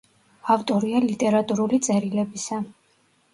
ავტორია ლიტერატურული წერილებისა.